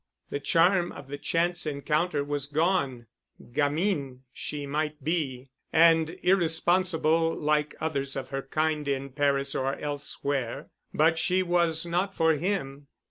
The charm of the chance encounter was gone. Gamine she might be, and irresponsible like others of her kind in Paris or elsewhere, but she was not for him.